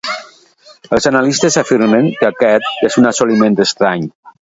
Els "Analistes" afirmen que aquest és un assoliment estrany.